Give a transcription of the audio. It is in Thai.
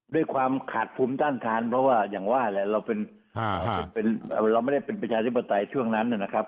ด้วยความขาดภูมิต้านทานเพราะว่าอย่างว่าแหละเราไม่ได้เป็นประชาธิปไตยช่วงนั้นนะครับ